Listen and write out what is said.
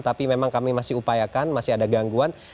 tapi memang kami masih upayakan masih ada gangguan